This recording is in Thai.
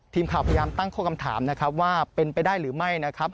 ทีมข่าวพยายามตั้งข้อคำถามนะครับว่าเป็นไปได้หรือไม่นะครับ